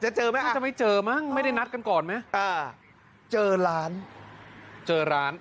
จะเจอไหมอ่ะจะไม่เจอมั้งไม่ได้นัดกันก่อนไหมอ่าเจอร้าน